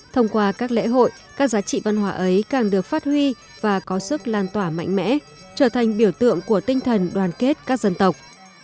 thông qua các lễ hội các giá trị văn hóa ấy càng được phát huy và có sức lan tỏa mạnh mẽ trở thành biểu tượng của tinh thần đoàn kết các dân tộc